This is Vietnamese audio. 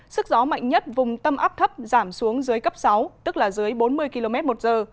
sức gió mạnh nhất vùng tâm áp thấp giảm xuống dưới cấp sáu tức là dưới bốn mươi km một giờ